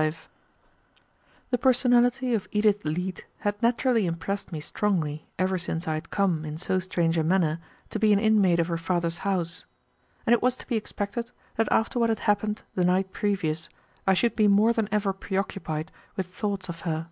Chapter 25 The personality of Edith Leete had naturally impressed me strongly ever since I had come, in so strange a manner, to be an inmate of her father's house, and it was to be expected that after what had happened the night previous, I should be more than ever preoccupied with thoughts of her.